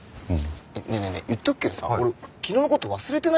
ねえねえねえ言っとくけどさ俺昨日の事忘れてないからね。